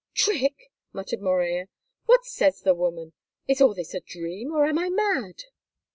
"Trick!" muttered Morella. "What says the woman? Is all this a dream, or am I mad?"